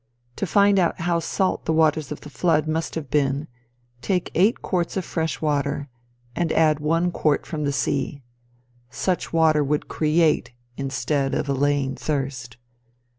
To find how salt the waters of the flood must have been, take eight quarts of fresh water, and add one quart from the sea. Such water would create instead of allaying thirst.